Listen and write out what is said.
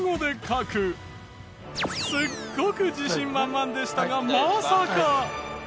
すっごく自信満々でしたがまさか。